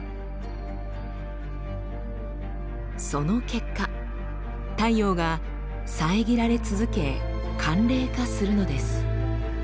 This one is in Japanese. その結果太陽が遮られ続け寒冷化するのです。